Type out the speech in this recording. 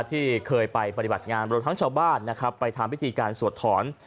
ที่เคยไปปฏิบัติงานรวมทั้งชาวบ้านนะครับไปทำพิธีการสวดถอน